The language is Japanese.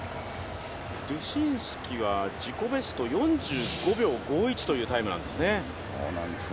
ドゥシンスキは自己ベスト４５秒５１というタイムなんですね。